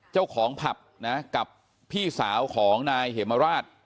เจ้าของผับนะกับพี่สาวของนายเหมราช